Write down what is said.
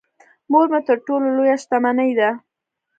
مور مې تر ټولو لويه شتمنی ده .